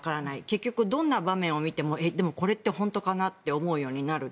結局、どんな場面を見てもえ、でもこれって本当かな？と思うようになる。